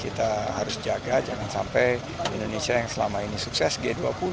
kita harus jaga jangan sampai indonesia yang selama ini sukses g dua puluh